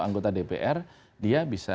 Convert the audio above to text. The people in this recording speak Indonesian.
anggota dpr dia bisa